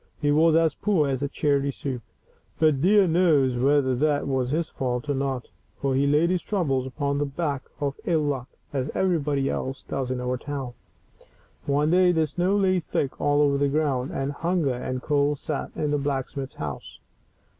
He was as poor as charity soup ; but dear knows whether that was his fault or not, for he laid his troubles upon the back of ill luck, as everybody else does in our town. One day the snow lay thick all over the ground, and hunger and cold sat in the blacksmith's house.